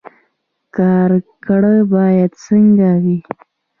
کارګر باید څنګه وي؟